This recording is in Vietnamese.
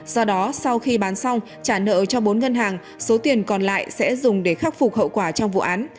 do đó sau khi bán xong trả nợ cho bốn ngân hàng số tiền còn lại sẽ dùng để khắc phục hậu quả trong vụ án